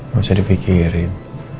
gak usah dipikirin